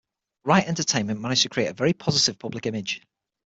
Riot Entertainment managed to create a very positive public image.